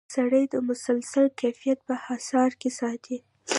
سړی د مسلسل کیفیت په حصار کې ساتي.